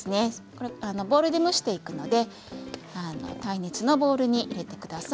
ボウルで蒸していくので耐熱のボウルに入れてください。